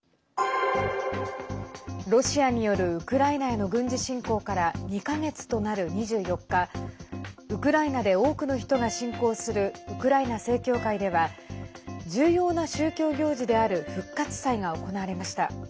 ロシアによるウクライナへの軍事侵攻から２か月となる２４日ウクライナで多くの人が信仰するウクライナ正教会では重要な宗教行事である復活祭が行われました。